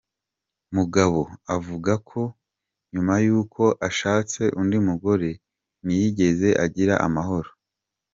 Mugabo avuga ko nyuma y’uko ashatse undi mugore, ntiyigeze agira amahoro.